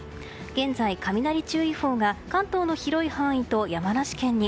現在、雷注意報が関東の広い範囲と山梨県に。